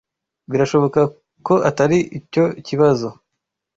Birashoboka ko atari cyo kibazo.